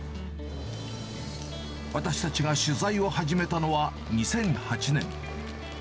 私たちが取材を始めたのは２００８年。